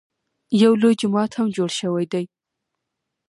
یو لوی جومات هم جوړ شوی دی.